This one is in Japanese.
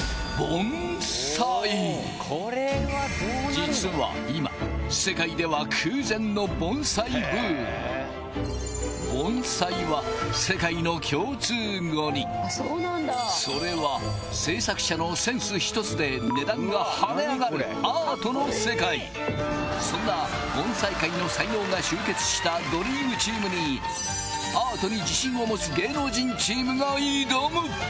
実は今世界では空前の盆栽ブームそれは製作者のセンス一つで値段が跳ね上がるアートの世界そんな盆栽界の才能が集結したドリームチームにアートに自信を持つ芸能人チームが挑む！